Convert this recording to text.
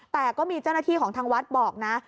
แต่ก็มีเจ้าหน้าที่ของทางวัดบอกนะ